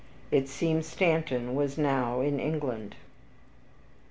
It seems Stanton was now in England.